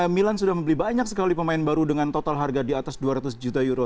milan sudah membeli banyak sekali pemain baru dengan total harga di atas dua ratus juta euro